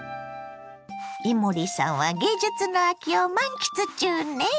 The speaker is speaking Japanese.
伊守さんは芸術の秋を満喫中ね。